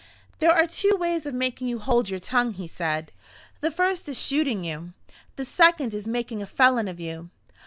"There are two ways of making you hold your tongue," he said. "The first is shooting you; the second is making a felon of you.